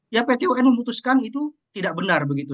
ya pt un memutuskan itu tidak benar begitu